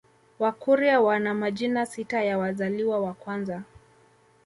Wakurya wana majina sita ya wazaliwa wa kwanza